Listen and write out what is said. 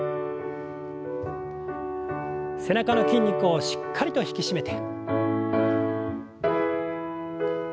背中の筋肉をしっかりと引き締めて。